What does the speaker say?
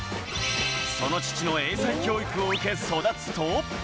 その父の英才教育を受け、育つと。